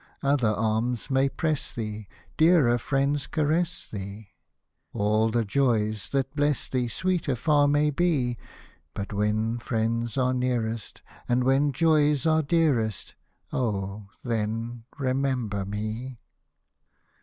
Other arms may press thee. Dearer friends caress thee, Hosted by Google IRISH MELODIES All the joys that bless thee, Sweeter far may be ; But when friends are nearest, And when joys are dearest, Oh ! then remember me